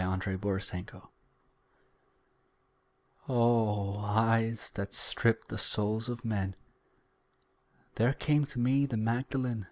MARY MAGDALEN O eyes that strip the souls of men! There came to me the Magdalen.